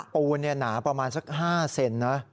ปูนหนาประมาณสัก๕เซนติเมตร